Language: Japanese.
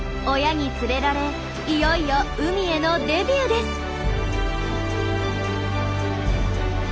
親に連れられいよいよ海へのデビューです。